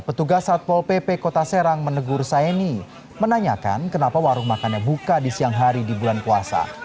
petugas satpol pp kota serang menegur saini menanyakan kenapa warung makannya buka di siang hari di bulan puasa